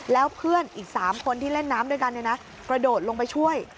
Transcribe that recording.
แล้วเพื่อนอีก๓คนที่เล่นน้ำด้วยกันกระโดดลงไปช่วย